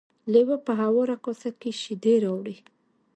لیوه په هواره کاسه کې شیدې راوړې.